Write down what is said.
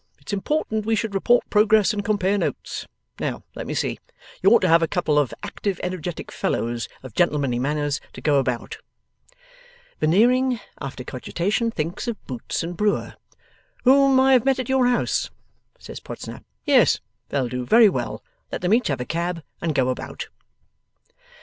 It's important we should report progress and compare notes. Now, let me see. You ought to have a couple of active energetic fellows, of gentlemanly manners, to go about.' Veneering, after cogitation, thinks of Boots and Brewer. 'Whom I have met at your house,' says Podsnap. 'Yes. They'll do very well. Let them each have a cab, and go about.